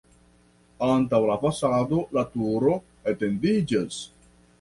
Antaŭ la fasado la turo etendiĝas.